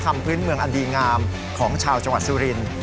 ทำพิษเมืองอดีตงามของชาวจังหวัดสุรินทร์